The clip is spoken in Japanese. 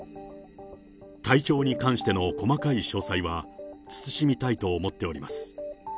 体調に関しての細かい詳細は、慎みたいと思っております。